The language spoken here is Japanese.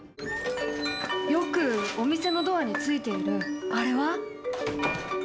よくお店のドアについているあれは？